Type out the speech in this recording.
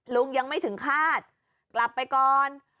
ลุงยังไม่ถึงคาดกลับไปก่อน